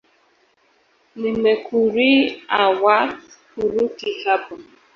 "Nimekurii Awadh, huruki hapo"